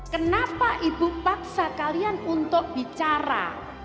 kenapa ibu paksa kalian untuk bicara